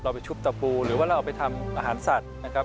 ไปชุบตะปูหรือว่าเราเอาไปทำอาหารสัตว์นะครับ